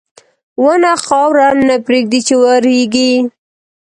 • ونه خاوره نه پرېږدي چې وریږي.